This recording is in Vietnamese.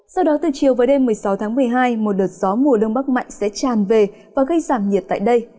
sau đó từ chiều và đêm một mươi sáu tháng một mươi hai một đợt gió mùa đông bắc mạnh sẽ tràn về và gây giảm nhiệt tại đây